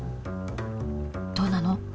どうなの？